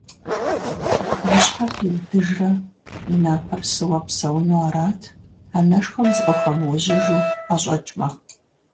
И щхьэр фӀиудыжрэ и напэр сыуэ псэуну арат, анэшхуэм зыкъыхуэмыужьыжу ӀэщӀэкӀмэ.